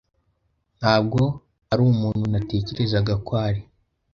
Ntabwo ari umuntu natekerezaga ko ari.